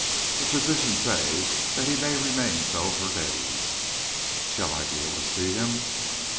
"The physician says that he may remain so for days." "Shall I be able to see him?"